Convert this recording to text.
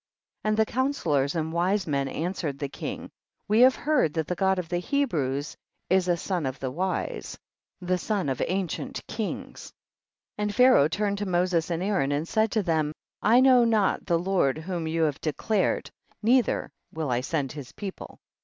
45. And the counsellors and wise men answered the king, we have heard that the God of the Hebrews is a son of the wise,* the son of an cient kings. 46. And Pharaoh turned to Moses and Aaron and said to them, I know not the Lord whom you have declar ed, neither will I send his people.